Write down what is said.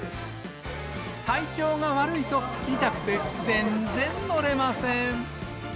体調が悪いと、痛くて全然乗れません。